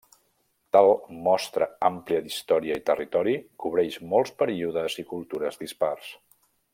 Tal mostra àmplia d'història i territori cobreix molts períodes i cultures dispars.